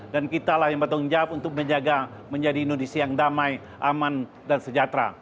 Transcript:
dan kitalah yang patut menjawab untuk menjaga menjadi indonesia yang damai aman dan sejahtera